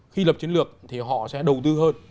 khi lập chiến lược thì họ sẽ đầu tư hơn